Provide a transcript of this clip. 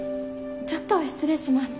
ちょっと失礼します。